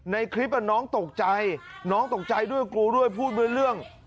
ในคลิปน้องตกใจน้องตกใจด้วยกลัวด้วยพูดไม่รู้เรื่อง